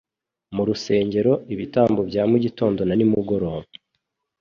Mu rusengero, ibitambo bya mugitondo na nimugoroba